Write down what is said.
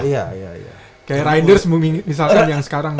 kayak riders misalkan yang sekarang